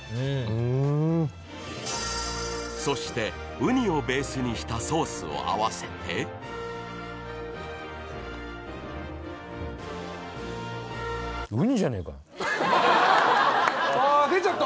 ［そしてウニをベースにしたソースを合わせて］出ちゃった